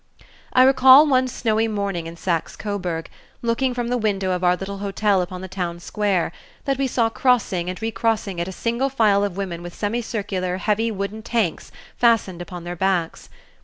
I recall one snowy morning in Saxe Coburg, looking from the window of our little hotel upon the town square, that we saw crossing and recrossing it a single file of women with semicircular, heavy, wooden tanks fastened upon their backs.